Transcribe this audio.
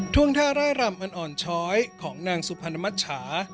่วงท่าร่ายรำอันอ่อนช้อยของนางสุพรรณมัชชา